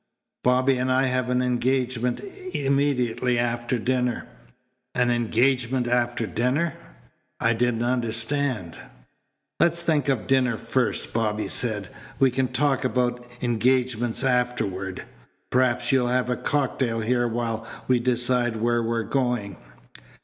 "Bobby and I have an engagement immediately after dinner." "An engagement after dinner! I didn't understand " "Let's think of dinner first," Bobby said. "We can talk about engagements afterward. Perhaps you'll have a cocktail here while we decide where we're going."